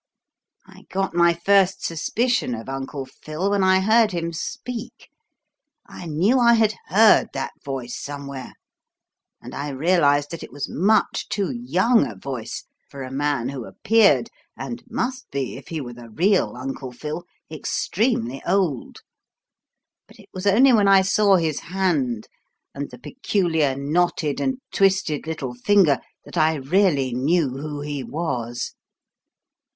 I got my first suspicion of 'Uncle Phil' when I heard him speak. I knew I had heard that voice somewhere, and I realised that it was much too young a voice for a man who appeared and must be, if he were the real 'Uncle Phil' extremely old; but it was only when I saw his hand, and the peculiar knotted and twisted little finger that I really knew who he was.